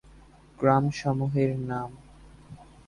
গ্রাম সমূহের নামঃ-